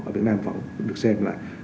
ở việt nam vẫn được xem là